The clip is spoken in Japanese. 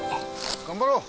頑張ろう！